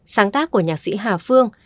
sáng tác của nhạc sĩ hà phương